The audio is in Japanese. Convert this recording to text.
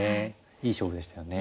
いい勝負でしたよね。